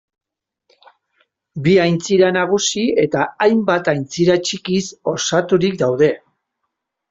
Bi aintzira nagusi eta hainbat aintzira txikiz osaturik daude.